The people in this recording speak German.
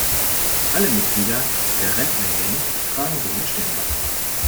Alle Mitglieder der Rentnergang tragen so ein Stirnband.